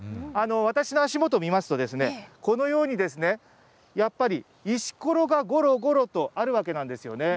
私の足元見ますと、このように、やっぱり、石ころがごろごろとあるわけなんですよね。